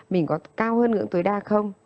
mình có cao hơn ngưỡng tối đa không